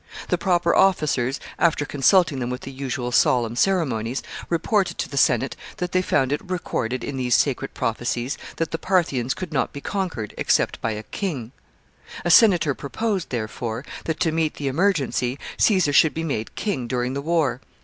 The proper officers, after consulting them with the usual solemn ceremonies, reported to the Senate that they found it recorded in these sacred prophecies that the Parthians could not be conquered except by a king, A senator proposed, therefore, that, to meet the emergency, Caesar should be made king during the war.